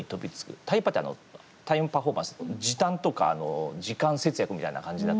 「タイパ」ってタイムパフォーマンス時短とか時間節約みたいな感じだと思うんですけども。